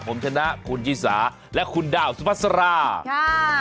ผมชนะคุณยี่สาและคุณดาวสุภาษาราค่ะค่ะอ่ะ